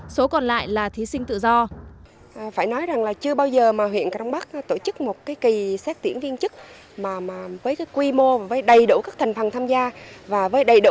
số còn lại là thí sinh tự do